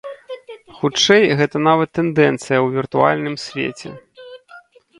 Хутчэй, гэта нават тэндэнцыя ў віртуальным свеце.